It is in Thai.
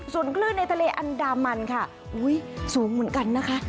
ส่วนคลื่นในทะเลอันดามันค่ะสูงเหมือนกันนะคะ